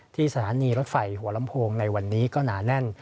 สถานีรถไฟหัวลำโพงในวันนี้ก็หนาแน่น